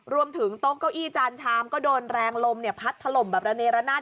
โต๊ะเก้าอี้จานชามก็โดนแรงลมพัดถล่มแบบระเนรนาศ